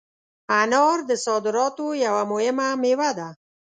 انار د صادراتو یوه مهمه مېوه ده.